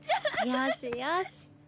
よしよし。